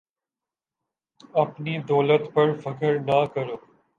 اپنی دولت پر فکر نہ کرو